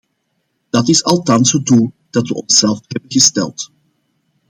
Dat is althans het doel dat we onszelf hebben gesteld.